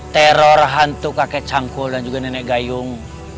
teror hantu kakek cangkul dan juga nenek gayung